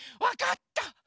わかった！